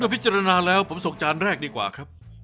พิจารณาแล้วผมส่งจานแรกดีกว่าครับ